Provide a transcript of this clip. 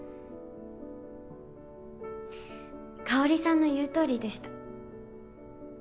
香さんの言う通りでした。